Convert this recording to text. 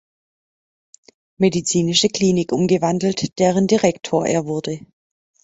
Medizinische Klinik umgewandelt, deren Direktor er wurde.